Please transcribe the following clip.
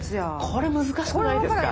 これ難しくないですか？